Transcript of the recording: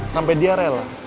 sampai dia rela